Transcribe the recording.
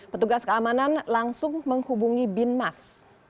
petugas keamanan langsung menghubungi bin mas